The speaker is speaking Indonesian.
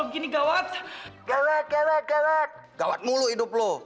gawat mulu hidup lo